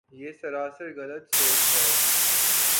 یہ سراسر غلط سوچ ہے۔